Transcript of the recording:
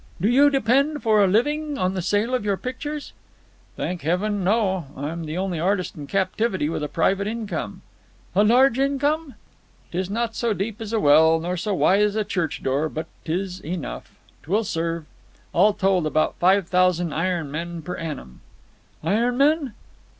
"Do you depend for a living on the sale of your pictures?" "Thank Heaven, no. I'm the only artist in captivity with a private income." "A large income?" "'Tis not so deep as a well, nor so wide as a church door, but 'tis enough, 'twill serve. All told, about five thousand iron men per annum." "Iron men?"